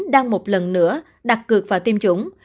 đang một lần nữa đặt cược vào tiêm chủng